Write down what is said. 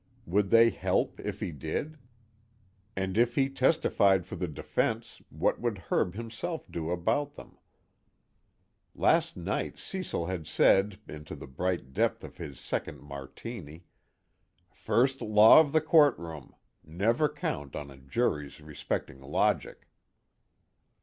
Would they help, if he did? And if he testified for the defense, what would Herb himself do about them? Last night Cecil had said, into the bright depth of his second Martini: "First law of the courtroom: never count on a jury's respecting logic."